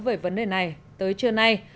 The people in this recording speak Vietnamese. về vấn đề này tới trưa nay